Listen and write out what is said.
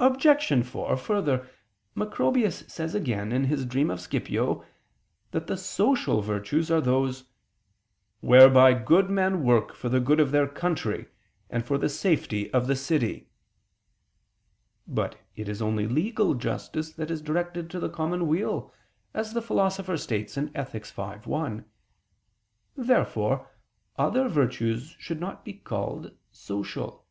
Obj. 4: Further, he says (Macrobius: Super Somn. Scip. 1) that the "social" virtues are those "whereby good men work for the good of their country and for the safety of the city." But it is only legal justice that is directed to the common weal, as the Philosopher states (Ethic. v, 1). Therefore other virtues should not be called "social."